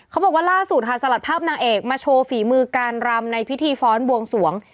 เขาบอกว่าล่าสุดค่ะสลัดภาพนางเอกมาโชว์ฝีมือการรำในพิธีฟ้อนบวงสวง